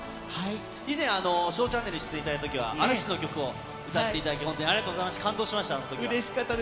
以前、ＳＨＯＷチャンネルに出演いただいたときは、嵐の曲を歌っていただいて、本当にありがとうございました。